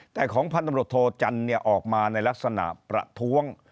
แต่ของพันธบรวจโทจันทร์ออกมาในลักษณะประท้วง